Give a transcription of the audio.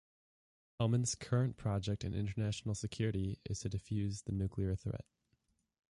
Hellman's current project in international security is to defuse the nuclear threat.